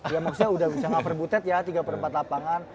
ya maksudnya udah bisa ngaper butet ya tiga per empat lapangan